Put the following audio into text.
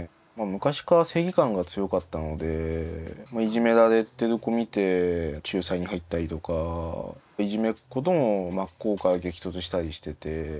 昔から正義感が強かったのでいじめられてる子を見て仲裁に入ったりとかいじめっ子とも真っ向から激突したりしてて。